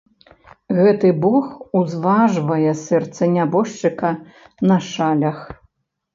Гэты бог узважвае сэрца нябожчыка на шалях.